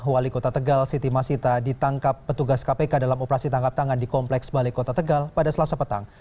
wali kota tegal siti masita ditangkap petugas kpk dalam operasi tangkap tangan di kompleks balai kota tegal pada selasa petang